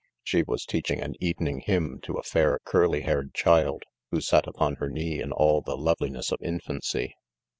She was teaching an evening hymn to a fair curly hair ed child, who sat upon her knee in all the love liness of infancy.